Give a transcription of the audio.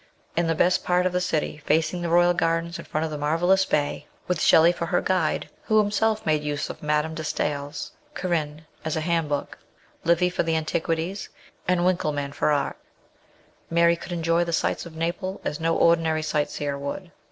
In the best part of the city, facing the royal gardens in front of the mar vellous bay, with Shelley for her guide, who himself made use of Madame de Stae'Fs Corinne as a hand book, Livy for the antiquities, and Winckelmann for art, Mary could enjoy the sights of Naples as no ordinary sightseer would.